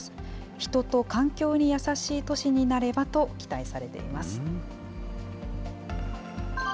人と環境に優しい都市になればと期待されています。